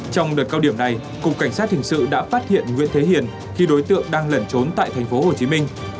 trong đợt cao điểm này cục cảnh sát hình sự đã phát hiện nguyễn thế hiền khi đối tượng đang lẩn trốn tại thành phố hồ chí minh